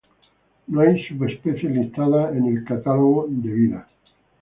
No hay subespecies listadas en el Catalogue of Life.